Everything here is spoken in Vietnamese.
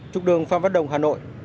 trục đường phan văn đồng hà nội